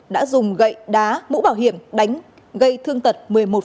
đã dùng gậy đá mũ bảo hiểm đánh gây thương tật một mươi một